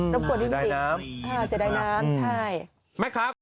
รบกวนวินทรีย์เสียดายน้ำใช่แม่ครับ